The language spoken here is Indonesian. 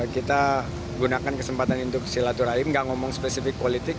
kita gunakan kesempatan untuk silaturahmi enggak ngomong spesifik politik